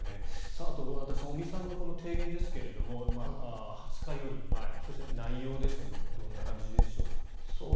あと足立さん尾身さんの提言ですが２０日より前、そして内容ですがどんな感じでしょうか。